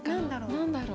何だろう？